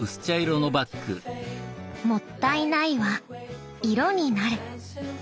「もったいない」は色になる。